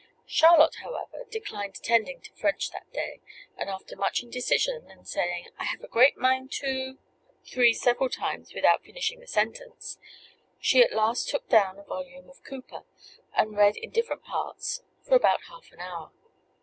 Charlotte, however, declined attending to French that day, and after much indecision, and saying "I have a great mind to" three several times without finishing the sentence, she at last took down a volume of Cowper, and read in different parts for about half an hour.